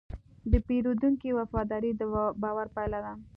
د پیرودونکي وفاداري د باور پايله ده.